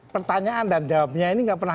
pertanyaan dan jawabannya ini enggak pernah